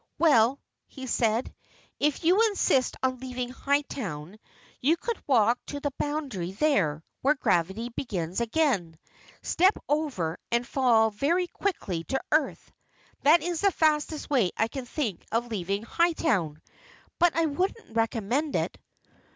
"Well," he said, "if you insist on leaving Hightown, you could walk to the boundary there, where gravity begins again, step over and fall very quickly to the earth. That is the fastest way I can think of leaving Hightown, but I wouldn't recommend it."